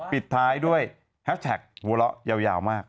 ปิดท้ายด้วยแฮชแท็กหัวเราะยาวมาก